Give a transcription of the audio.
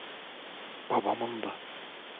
Babamındı.